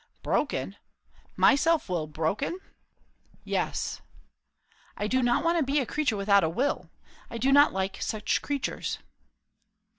"Broken? My self will broken?" "Yes." "I do not want to be a creature without a will. I do not like such creatures."